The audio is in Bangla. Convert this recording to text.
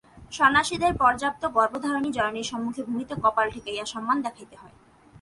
সন্ন্যাসীদের পর্যন্ত গর্ভধারিণী জননীর সম্মুখে ভূমিতে কপাল ঠেকাইয়া সম্মান দেখাইতে হয়।